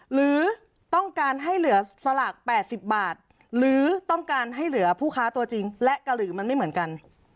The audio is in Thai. หรือต้องการให้เหลือสลาก๘๐บาทหรือต้องการให้เหลือผู้ค้าตัวจริงและเกาหลีมันไม่เหมือนกัน